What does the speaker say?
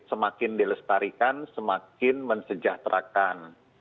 semakin dilestarikan semakin mensejahterakan